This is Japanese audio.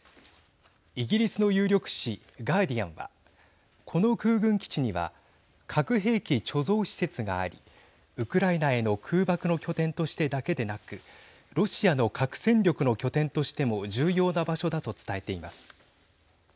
イギリスの有力紙ガーディアンはこの空軍基地には核兵器貯蔵施設がありウクライナへの空爆の拠点としてだけでなくロシアの核戦力の拠点としても重要な場所だと伝えています。